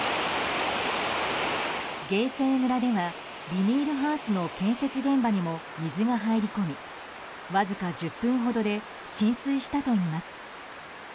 芸西村ではビニールハウスの建設現場にも水が入り込みわずか１０分ほどで浸水したといいます。